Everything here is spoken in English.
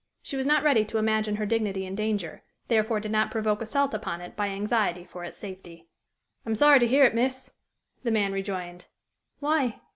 She was not ready to imagine her dignity in danger, therefore did not provoke assault upon it by anxiety for its safety. "I'm sorry to hear it, miss," the man rejoined. "Why?"